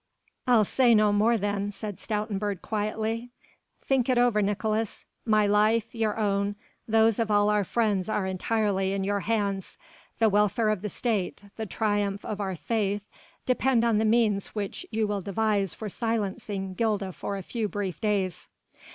"I'll say no more, then," said Stoutenburg quietly, "think it all over, Nicolaes. My life, your own, those of all our friends are entirely in your hands: the welfare of the State, the triumph of our faith depend on the means which you will devise for silencing Gilda for a few brief days."